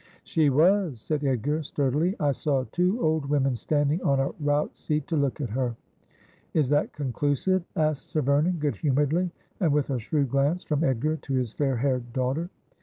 ' She was,' said Edgar sturdily. ' I saw two old women standing on a rout seat to look at her.' ' Is that conclusive ?' asked Sir Vernon good humouredly, and with a shrewd glance from Edgar to his fair haired daugh ter.